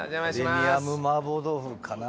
プレミアム麻婆豆腐かな。